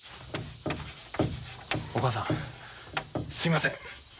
おかあさんすいません。